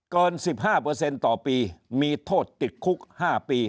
เกินสิบห้าเปอร์เซ็นต์ต่อปีมีโทษติดคุกห้าปี